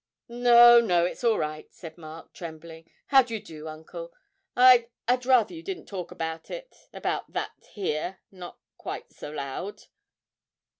'No, no, it's all right,' said Mark, trembling; 'how do you do, uncle? I I'd rather you didn't talk about about that here not quite so loud!'